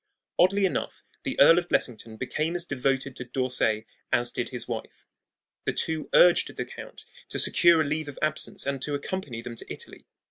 Oddly enough, the Earl of Blessington became as devoted to D'Orsay as did his wife. The two urged the count to secure a leave of absence and to accompany them to Italy.